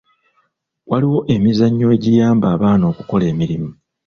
Waliwo emizannyo egiyamba abaana okukola emirimu.